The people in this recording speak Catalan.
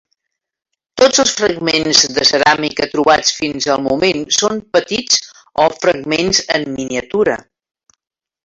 Tots els fragments de ceràmica trobats fins al moment són petits o fragments en miniatura.